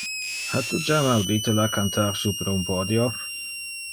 Ha tu jam audite la cantar super un podio?